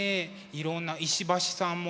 いろんな石橋さんもいるね